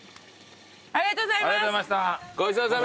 ありがとうございます！